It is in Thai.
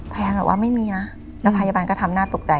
แนนแบบว่าไม่มีนะแล้วพยาบาลก็ทำน่าตกใจ